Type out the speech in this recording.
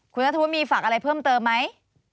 คุณนัทธวุฒิมีฝากอะไรเพิ่มเติมไหม